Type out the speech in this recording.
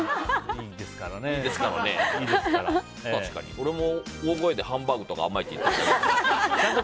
俺は大声でハンバーグ！とか甘いって言ってればいいから。